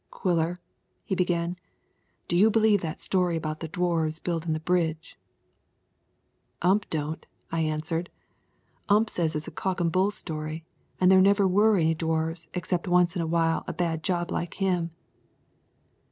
"Quiller," he began, "do you believe that story about the Dwarfs buildin' the bridge?" "Ump don't," I answered. "Ump says it's a cock and bull story, and there never were any Dwarfs except once in a while a bad job like him."